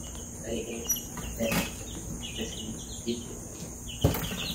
I hate him with an H, because he is Hideous.